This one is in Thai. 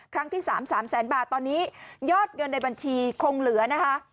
ครั้งที่๓๓แสนบาทตอนนี้ยอดเงินในบัญชีคงเหลือนะคะ